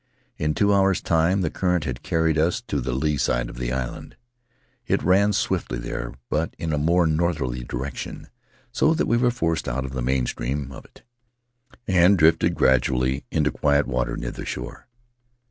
In two hours' time the current had carried us to the lee side of the island. It ran swiftly there, but in a more northerly direction, so that we were forced out of the main stream of it, and drifted gradually into quiet water near the shore.